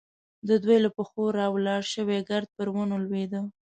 د دوی د پښو راولاړ شوی ګرد پر ونو لوېده.